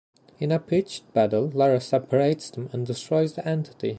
In a pitched battle, Lara separates them and destroys the entity.